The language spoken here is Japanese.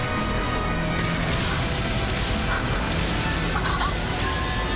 あっ！